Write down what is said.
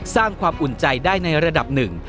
สร้างความอุ่นใจได้ในระดับหนึ่ง